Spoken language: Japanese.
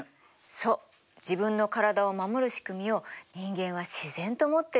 そう自分の体を守る仕組みを人間は自然と持ってるのよ。